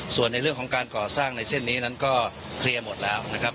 ส่วนในเรื่องของการก่อสร้างในเส้นนี้นั้นก็เคลียร์หมดแล้วนะครับ